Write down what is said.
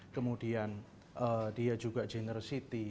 kemudian dia juga generosity